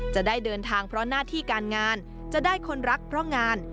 จะได้เดินทางเพราะหน้าที่การงานจะได้คนรักเพราะงาน